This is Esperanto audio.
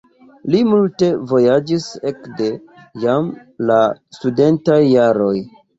Li multe vojaĝis ekde jam la studentaj jaroj.